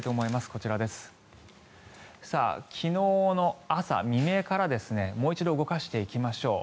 こちら、昨日の朝未明からもう一度動かしていきましょう。